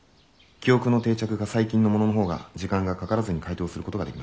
記憶の定着が最近のもののほうが時間がかからずに解答することができます」。